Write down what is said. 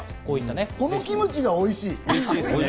このキムチがおいしい。